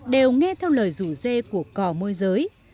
đều nghe theo lời rủ dê của cò môi giới